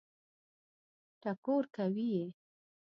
ټکور کوي یې.